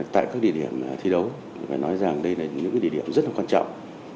tại các địa điểm thi đấu phải nói rằng đây là những địa điểm rất là quan trọng